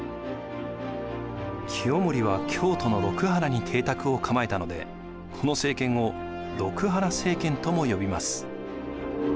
清盛は京都の六波羅に邸宅を構えたのでこの政権を六波羅政権とも呼びます。